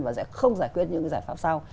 và sẽ không giải quyết những giải pháp sau